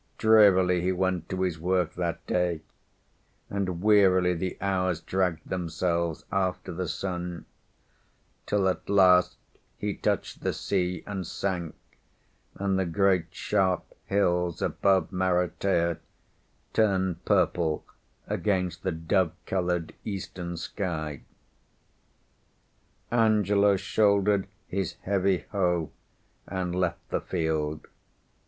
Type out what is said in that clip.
Drearily he went to his work that day, and wearily the hours dragged themselves after the sun, till at last he touched the sea and sank, and the great sharp hills above Maratea turned purple against the dove coloured eastern sky. Angelo shouldered his heavy hoe and left the field.